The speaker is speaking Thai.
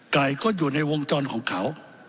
ไก่ก็อยู่ในวงจรของเขา